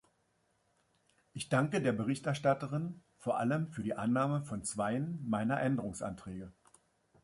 Ich danke der Berichterstatterin vor allem für die Annahme von zweien meiner Änderungsanträge.